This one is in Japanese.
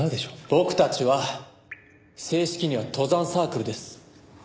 僕たちは正式には登山サークルです。